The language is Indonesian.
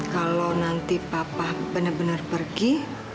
kalau nanti papa bener bener pergi